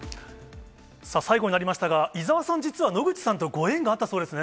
最後になりましたが、伊沢さん、実は野口さんとご縁があったそうですね。